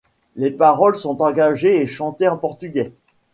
Les paroles sont engagées et chantées en portugais.